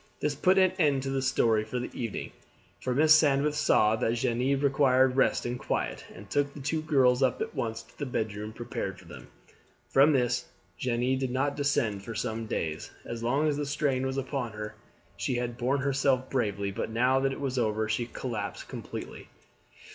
This put an end to the story for the evening, for Mrs. Sandwith saw that Jeanne required rest and quiet, and took the two girls up at once to the bed room prepared for them. From this Jeanne did not descend for some days. As long as the strain was upon her she had borne herself bravely, but now that it was over she collapsed completely.